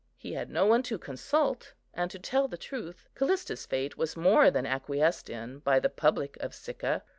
He had no one to consult, and to tell the truth, Callista's fate was more than acquiesced in by the public of Sicca.